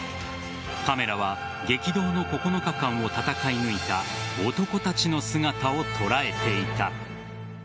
カメラは激動の９日間を戦い抜いた男たちの姿を捉えていた。